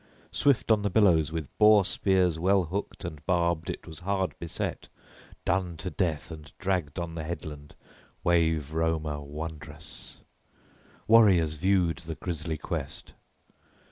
Swift on the billows, with boar spears well hooked and barbed, it was hard beset, done to death and dragged on the headland, wave roamer wondrous. Warriors viewed the grisly guest.